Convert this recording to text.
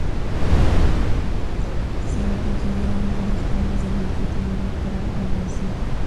Se lo considera uno de los padres del marketing electoral en Brasil.